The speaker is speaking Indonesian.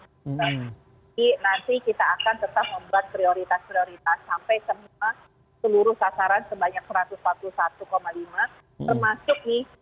jadi nanti kita akan tetap membuat prioritas prioritas sampai semua seluruh sasaran sebanyak satu ratus empat puluh satu lima termasuk ini lansia